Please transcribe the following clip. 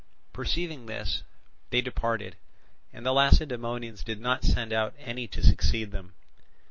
Perceiving this they departed, and the Lacedaemonians did not send out any to succeed them.